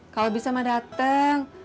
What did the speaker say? kalau bisa ma dateng